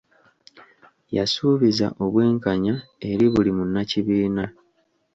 Yasuubiza obwenkanya eri buli munnakibiina.